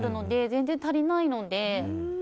全然足りないので。